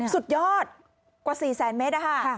สุดยอดกว่า๔แสนเมตรนะคะ